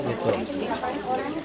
saya minta kolektif